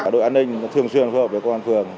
đội an ninh thường xuyên phối hợp với công an phường